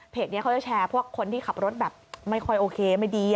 นี้เขาจะแชร์พวกคนที่ขับรถแบบไม่ค่อยโอเคไม่ดี